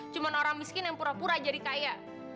cuma orang miskin yang pura pura jadi kaya